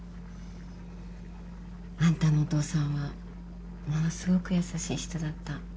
あんたのお父さんはものすごく優しい人だった。